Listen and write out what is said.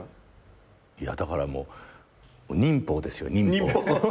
いやだからもう忍法ですよ忍法。